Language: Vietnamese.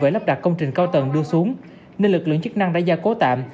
về lắp đặt công trình cao tầng đưa xuống nên lực lượng chức năng đã gia cố tạm